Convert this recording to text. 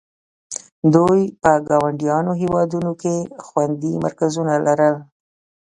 دوی په ګاونډیو هېوادونو کې خوندي مرکزونه لرل.